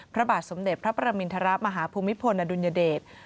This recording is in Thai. พระบาทสมเด็จพระประมินทรมาฮภูมิพลอดุลยเดช